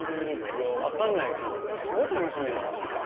分かんないけどすごい楽しみなの。